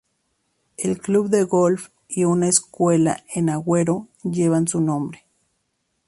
Un club de golf y una escuela en Agüero llevan su nombre.